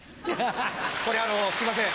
これあのすみません